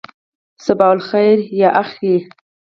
صباح الخیر یا اخی.